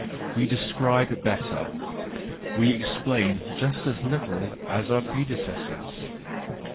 We describe better,—we explain just as little as our predecessors.